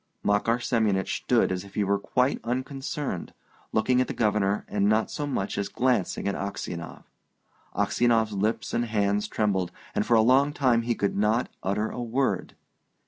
Makar Semyonich stood as if he were quite unconcerned, looking at the Governor and not so much as glancing at Aksionov. Aksionov's lips and hands trembled, and for a long time he could not utter a word.